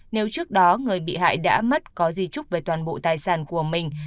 nếu trước đó người bị hại đã mất có di chúc về toàn bộ tài sản của mình